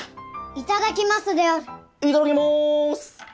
いただきます！